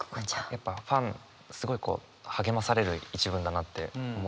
やっぱファンすごい励まされる一文だなって思って。